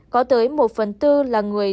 có tới một phần tư là người